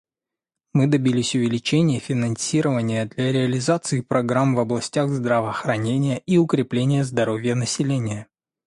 Мы добились увеличения финансирования для реализации программ в областях здравоохранения и укрепления здоровья населения.